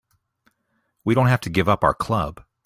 We don't have to give up our club.